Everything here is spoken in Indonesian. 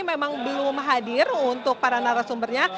memang belum hadir untuk para narasumbernya